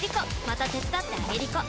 また手伝ってあげりこ！